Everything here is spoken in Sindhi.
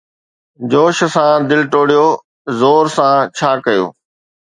جوش سان دل ٽوڙيو، زور سان! ڇا ڪيو